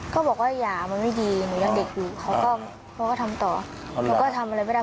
ที่มาอย่างเด็กได้เขาก็ทำอะไรไม่ได้